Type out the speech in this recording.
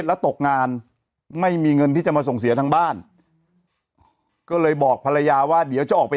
ยังไงยังไงยังไงยังไงยังไงยังไงยังไง